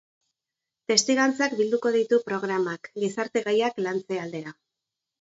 Testigantzak bilduko ditu programak, gizarte gaiak lantze aldera.